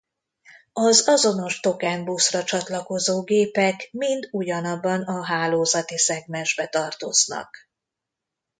Az azonos token buszra csatlakozó gépek mind ugyanabban a hálózati szegmensbe tartoznak.